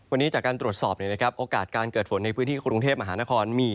วันนี้จากการตรวจสอบโอกาสการเกิดฝนในพื้นที่กรุงเทพมหานครมี